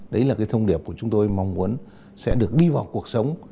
đấy là cái thông điệp của chúng tôi mong muốn sẽ được đi vào cuộc sống